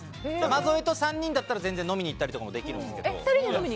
山添と３人だったら全然、飲みに行ったりとかもできるんですけど。